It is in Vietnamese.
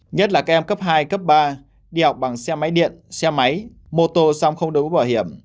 nhất là các em cấp hai cấp ba đi học bằng xe máy điện xe máy mô tô xong không đổi mũ bảo hiểm